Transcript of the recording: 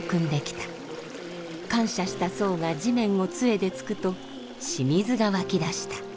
感謝した僧が地面を杖で突くと清水が湧き出した。